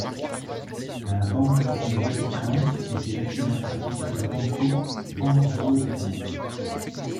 La Banque du Vatican était l'actionnaire principal de Banco Ambrosiano.